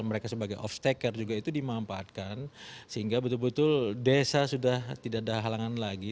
mereka sebagai off taker juga itu dimanfaatkan sehingga betul betul desa sudah tidak ada halangan lagi